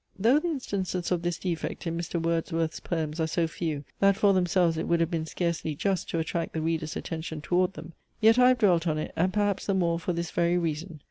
Though the instances of this defect in Mr. Wordsworth's poems are so few, that for themselves it would have been scarcely just to attract the reader's attention toward them; yet I have dwelt on it, and perhaps the more for this very reason.